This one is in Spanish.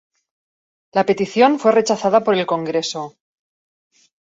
La petición fue rechazada por el Congreso.